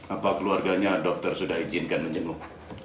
apakah keluarganya dokter sudah membenarkan menjenguk